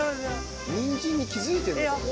ニンジンに気付いてるんだね。